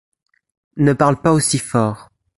Ne parle pas aussi fort.